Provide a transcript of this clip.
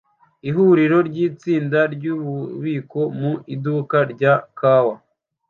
Ihuriro ryitsinda ryububiko mu iduka rya kawa